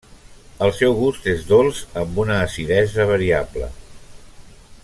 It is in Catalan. El seu gust és dolç amb una acidesa variable.